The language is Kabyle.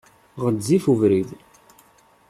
Ɣezzif ubrid.